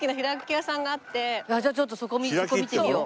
じゃあちょっとそこ見てみよう。